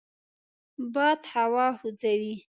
باد هوا خوځوي